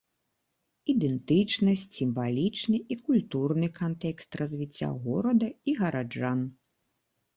Ідэнтычнасць, сімвалічны і культурны кантэкст развіцця горада і гараджан.